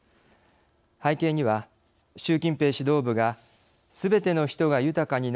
背景には習近平指導部がすべての人が豊かになる＝